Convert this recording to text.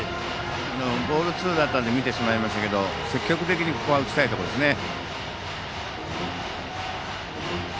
ボールツーだったので見てしまいましたけど積極的に打ちたいところですね。